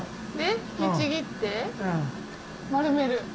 引きちぎって丸める。